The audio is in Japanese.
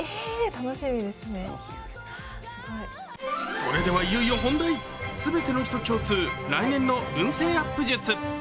それではいよいよ本題全ての人共通来年の運勢アップ術。